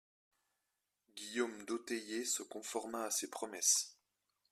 Guillaume d’Otteillé se conforma à ces promesses.